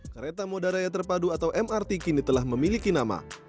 kereta moda raya terpadu atau mrt kini telah memiliki nama